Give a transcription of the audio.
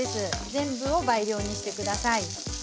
全部を倍量にして下さい。